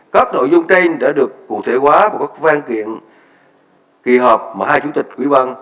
các nội dung trên đã được cụ thể hóa vào các văn kiện kỳ họp mà hai chủ tịch quỹ ban